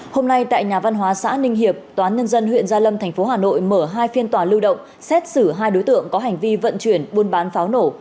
hôm nay tại nhà văn hóa xã ninh hiệp toán nhân dân huyện gia lâm tp hà nội mở hai phiên tòa lưu động xét xử hai đối tượng có hành vi vận chuyển buôn bán pháo nổ